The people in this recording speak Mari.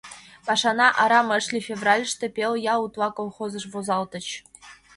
Пашана арам ыш лий: февральыште пел ял утла колхозыш возалтыч.